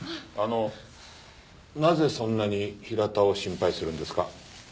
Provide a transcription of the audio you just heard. あのなぜそんなに平田を心配するんですか？